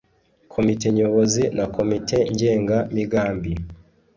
Komite nyobozi na komite ngena migambi